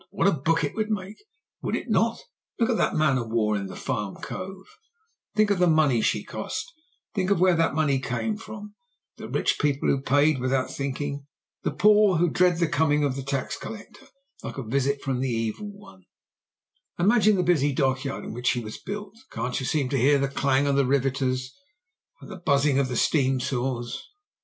What a book it would make, would it not? Look at that man o' war in Farm Cove; think of the money she cost, think of where that money came from the rich people who paid without thinking, the poor who dreaded the coming of the tax collector like a visit from the Evil One; imagine the busy dockyard in which she was built can't you seem to hear the clang of the riveters and the buzzing of the steam saws?